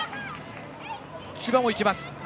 千葉も行きます。